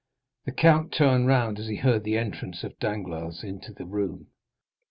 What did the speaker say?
The count turned round as he heard the entrance of Danglars into the room.